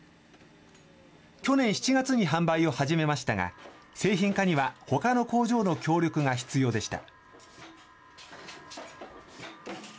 去年７月に販売を始めましたが、製品化にはほかの工場の協力が必要でした。